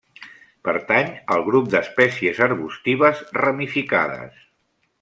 Pertany al grup d'espècies arbustives ramificades.